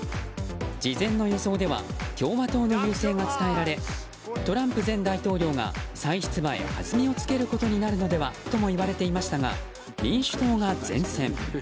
事前の予想では共和党の優勢が伝えられトランプ前大統領が再出馬へはずみをつけることになるのではとも言われていましたが民主党が善戦。